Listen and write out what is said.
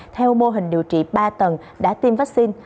theo mô hình điều trị ba tầng đã tiêm vaccine